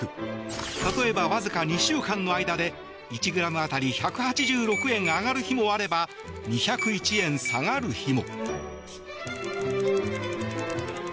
例えば、わずか２週間の間に１ｇ当たり１８６円上がる日もあれば２０１円下がる日も。